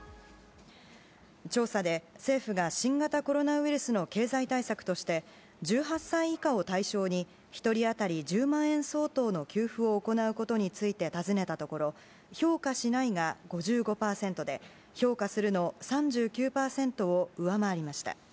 調査で、政府が新型コロナウイルスの経済対策として１８歳以下を対象に１人当たり１０万円相当の給付を行うことについて尋ねたところ評価しないが５５％で評価するの３９％を上回りました。